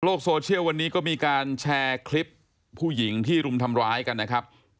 โซเชียลวันนี้ก็มีการแชร์คลิปผู้หญิงที่รุมทำร้ายกันนะครับ